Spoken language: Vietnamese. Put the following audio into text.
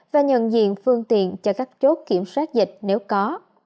và nhận diện phương tiện cho các chốt kiểm soát dịch nếu có